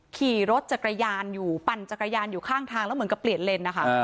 ขี่รถจักรยานอยู่ปั่นจักรยานอยู่ข้างทางแล้วเหมือนกับเปลี่ยนเลนนะคะ